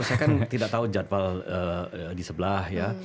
saya kan tidak tahu jadwal di sebelah ya